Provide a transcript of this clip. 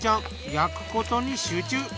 焼くことに集中。